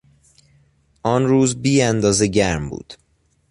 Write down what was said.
آن روز بیاندازه گرم بود.